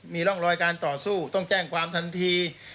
มีร่องรอยการต่อสู้ต้องแจ้งความทันที